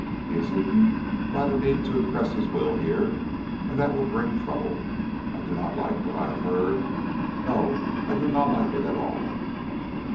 He is eaten by the need to impress his will here, and that will bring trouble. I do not like what I have heard, no, I do not like it at all."